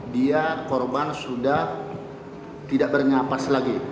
dia korban sudah tidak bernapas lagi